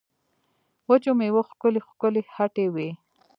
وچو مېوو ښکلې ښکلې هټۍ وې.